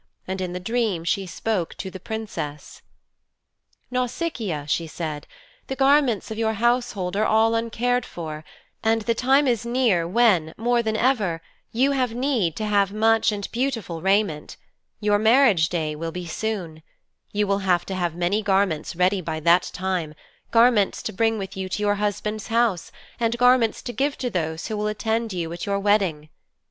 And in the dream she spoke to the Princess: 'Nausicaa,' she said, 'the garments of your household are all uncared for, and the time is near when, more than ever, you have need to have much and beautiful raiment. Your marriage day will be soon. You will have to have many garments ready by that time garments to bring with you to your husband's house, and garments to give to those who will attend you at your wedding.